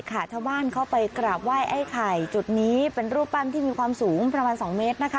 ชาวบ้านเข้าไปกราบไหว้ไอ้ไข่จุดนี้เป็นรูปปั้นที่มีความสูงประมาณ๒เมตรนะคะ